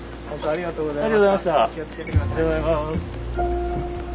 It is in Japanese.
ありがとうございます。